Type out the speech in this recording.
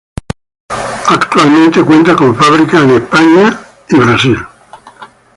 Actualmente cuenta con fábricas en España, Estados Unidos y Brasil.